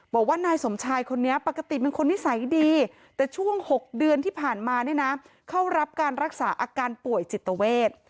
บอกว่านายสมชายคนนี้ปกติเป็นคนนิสัยดีแต่ช่วง๖เดือนที่ผ่านมาเนี่ยนะเข้ารับการรักษาอาการป่วยจิตเวท